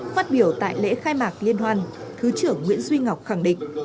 phát biểu tại lễ khai mạc liên hoan thứ trưởng nguyễn duy ngọc khẳng định